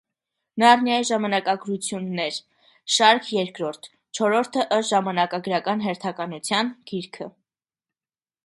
«Նարնիայի ժամանակագրություններ» շարքի երկրորդ (չորրորդը ըստ ժամանակագրական հերթականության) գիրքը։